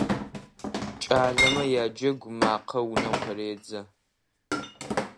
КӀалэмэ яджэгу макъэ унэм къыредзэ.